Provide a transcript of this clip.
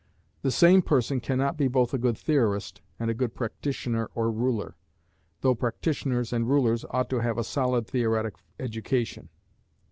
The same person cannot be both a good theorist and a good practitioner or ruler, though practitioners and rulers ought to have a solid theoretic education.